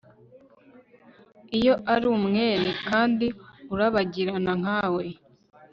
Iyo ari umwere kandi urabagirana nka we